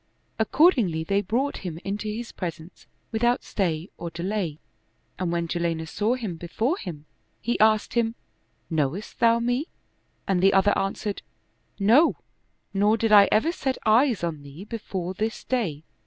Accordingly they brought him into his presence without stay or delay, and when Jalinus saw him before him, he asked him, " Knowest thou me ?" and the other answered, " No, nor did I ever set eyes on thee before this day."